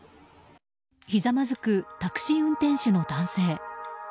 ひざまずくタクシー運転手の男性。